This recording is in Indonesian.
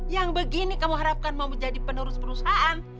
yang begini kamu harapkan mau menjadi penerus perusahaan